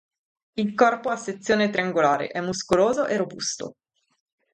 Il corpo ha sezione triangolare, è muscoloso e robusto.